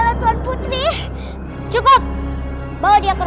jangan lupa untuk berikan duit